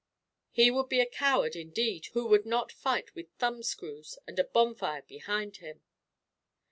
He would be a coward, indeed, who would not fight with thumbscrews and a bonfire behind him."